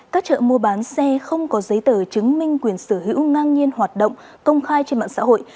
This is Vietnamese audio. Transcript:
các chợ mua bán xe không có giấy tờ chứng minh quyền sở hữu ngang nhiên hoạt động công khai trên mạng xã hội